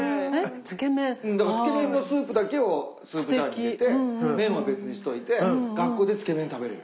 だからつけ麺のスープだけをスープジャーに入れて麺は別にしといて学校でつけ麺食べれる。